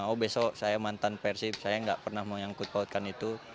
oh besok saya mantan persib saya nggak pernah mengangkut pautkan itu